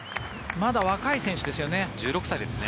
まだ若い選手ですね。